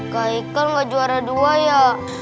kak ikal gak juara dua ya